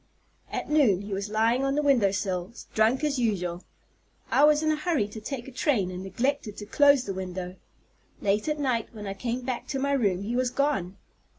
At noon he was lying on the window sill, drunk as usual. I was in a hurry to take a train, and neglected to close the window. Late at night, when I came back to my room, he was gone.